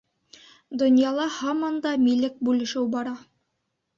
Донъяла һаман да милек бүлешеү бара.